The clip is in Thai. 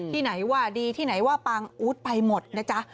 ที่ไหนว่าดีที่ไหนว่าปังอู๊ดไปหมดนะจ๊ะ